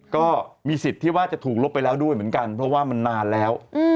ก็มีสิทธิ์ที่ว่าจะถูกลบไปแล้วด้วยเหมือนกันเพราะว่ามันนานแล้ว